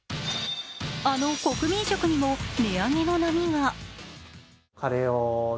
あの国民食にも値上げの波が。